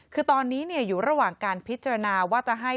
คือตอนนี้อยู่ระหว่างการพิจารณาว่าจะให้